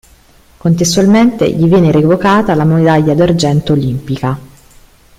Contestualmente gli viene revocata la medaglia d'argento olimpica.